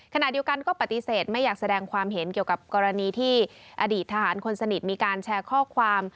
ขณะเดียวกันก็ปฏิเสธไม่อยากแสดงความเห็นเกี่ยวกับกรณีที่อดีตทหารคนสนิทมีการแชร์ข้อความ